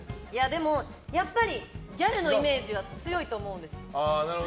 でも、やっぱりギャルのイメージが強いと思うんです。